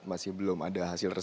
masih belum ada hasilnya